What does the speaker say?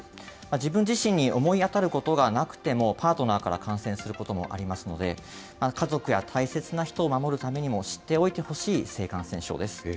自分自身に思い当たることがなくても、パートナーから感染することもありますので、家族や大切な人を守るためにも、知っておいてほしい性感染症です。